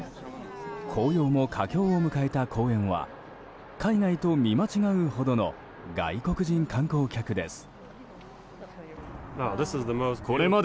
紅葉も佳境を迎えた公園は海外と見間違うほどの外国人観光客です。